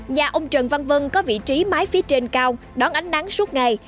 nhà ông trần văn vân có vị trí mái phía trên cao đón ánh nắng suốt ngày